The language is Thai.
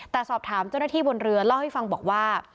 แต่สอบถามเจ้าหน้าที่บนเรือเล่าให้ฟังบอกว่า